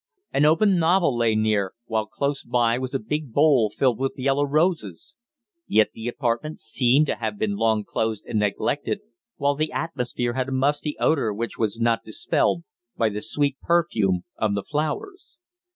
An open novel lay near, while close by was a big bowl filled with yellow roses. Yet the apartment seemed to have been long closed and neglected, while the atmosphere had a musty odour which was not dispelled by the sweet perfume of the flowers.